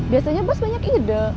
biasanya bos banyak ide